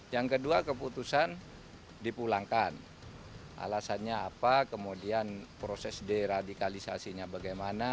yang kedua keputusan dipulangkan alasannya apa kemudian proses deradikalisasinya bagaimana